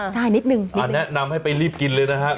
ใช่นิดหนึ่งอันนี้นำให้ไปรีบกินเลยนะฮะ